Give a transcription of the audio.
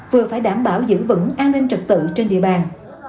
vừa phải đảm bảo giữ vững an ninh trật tự trên địa bàn